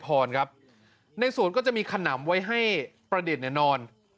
ภอนครับในสวนก็จะมีขนมไว้ให้ประเด็นเนี่ยนอน